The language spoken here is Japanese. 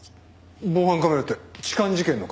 防犯カメラって痴漢事件のか？